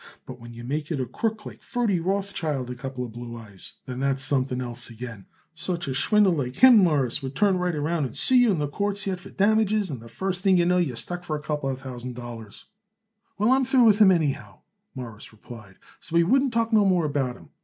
But when you make it a crook like Ferdy Rothschild a couple blue eyes, then that's something else again. Such a schwindler like him, Mawruss, would turn right around and sue you in the courts yet for damages, and the first thing you know you are stuck for a couple thousand dollars." "Well, I am through with him, anyhow," Morris replied, "so we wouldn't talk no more about him.